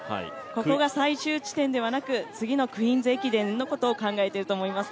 ここが最終地点ではなく次のクイーンズ駅伝のことを考えてると思います。